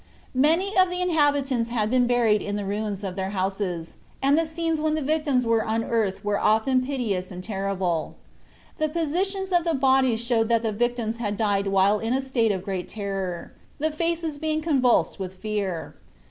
Many of the inhabitants had been buried in the ruins of their houses, and the scenes when the victims were unearthed were often piteous and terrible. The positions of the bodies showed that the victims had died while in a state of great terror, the faces being convulsed with fear.